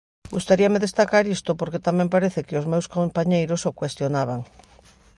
Gustaríame destacar isto, porque tamén parece que os meus compañeiros o cuestionaban.